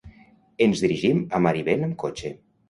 Ens dirigim a Marivent amb cotxe.